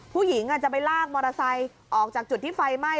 ผู้หญิงจะไปลากมอเตอร์ไซค์ออกจากจุดที่ไฟไหม้